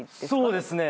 そうですね。